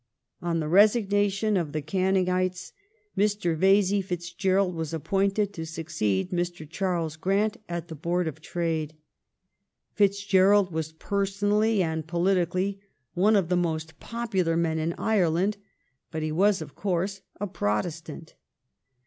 The On the resignation of the Canningites, Mr. Vesey Fitzgerald Ouesti'on ^^^ appointed to succeed Mr. Charles Grant at the Board of Trade. Fitzgerald was personally and politically one of the most popular men in Ireland, but he was, of course, a Protestant.